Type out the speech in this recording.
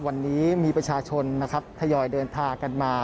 วันนี้มีประชาชนนะครับทยอยเดินทางกันมา